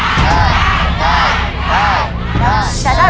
จะได้โบนัสอะไร